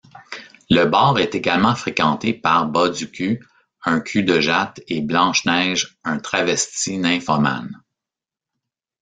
Le bar est également fréquenté par Bas-du-Cul, un cul-de-jatte, et Blanche-Neige, un travesti nymphomane.